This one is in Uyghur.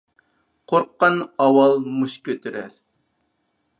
قورققان ئاۋۋال مۇشت كۆتۈرەر.